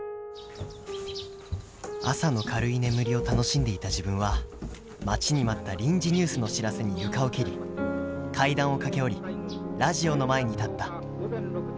「朝の軽い眠りを楽しんでいた自分は待ちに待った臨時ニュースの知らせに床を蹴り階段を駆け下りラジオの前に立った。